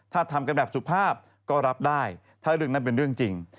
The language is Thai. ถ้าทำกันแบบสุภาพก็รับได้ถ้าเรื่องนั้นเป็นเรื่องจริง